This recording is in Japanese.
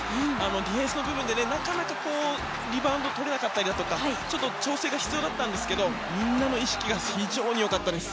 ディフェンスの部分でなかなかリバウンドが取れなかったりだとかちょっと調整が必要だったんですがみんなの意識が非常によかったです。